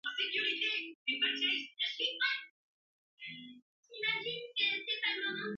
Nge mə lə̀m āne və mān mbūs.